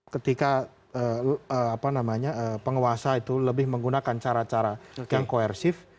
ketika penguasa itu lebih menggunakan cara cara yang koersif